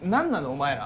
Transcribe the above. お前ら。